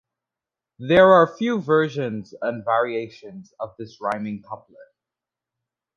There are few versions and variations of this rhyming couplet.